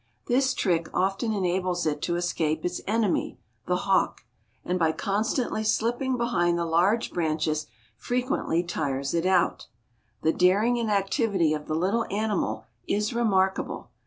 This trick often enables it to escape its enemy the hawk, and by constantly slipping behind the large branches frequently tires it out. The daring and activity of the little animal is remarkable.